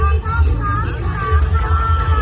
มันเป็นเมื่อไหร่แล้ว